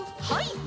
はい。